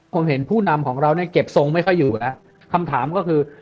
คราวนี้ผู้นำของเรานะเก็บทรงไม่เคยอยู่แล้วคำถามก็คือ